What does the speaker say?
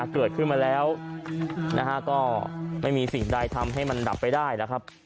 เกิดขึ้นมาแล้วก็ไม่มีสิ่งใดทำให้มันดับไปได้แล้วครับ